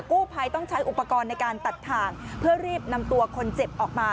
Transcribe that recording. กู้ภัยต้องใช้อุปกรณ์ในการตัดถ่างเพื่อรีบนำตัวคนเจ็บออกมา